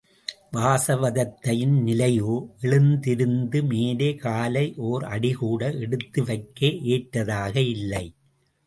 வாசவதத்தையின் நிலையோ எழுந்திருந்து மேலே காலை ஒர் அடிகூட எடுத்து வைக்க ஏற்றதாக இல்லை.